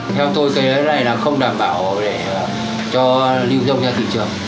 theo tôi cái này là không đảm bảo cho lưu dung ra thị trường